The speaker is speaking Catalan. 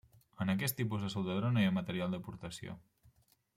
En aquest tipus de soldadura no hi ha material d'aportació.